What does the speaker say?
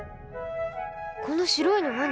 この白いの何？